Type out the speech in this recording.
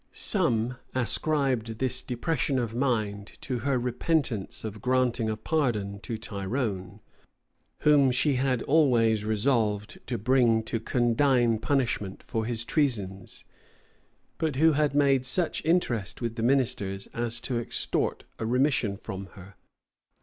Some ascribed this depression of mind to her repentance of granting a pardon to Tyrone, whom she had always resolved to bring to condign punishment for his treasons, but who had made such interest with the ministers as to extort a remission from her.